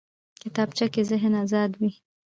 کتابچه کې ذهن ازاد وي